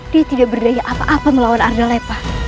dia tidak berdaya apa apa melawan arda lepa